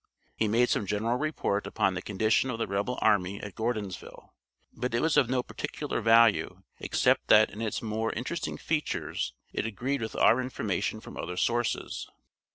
He made some general report upon the condition of the rebel army at Gordonsville, but it was of no particular value, except that in its more interesting features it agreed with our information from other sources.